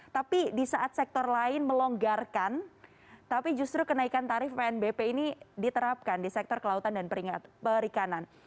tapi di saat sektor lain melonggarkan tapi justru kenaikan tarif pnbp ini diterapkan di sektor kelautan dan perikanan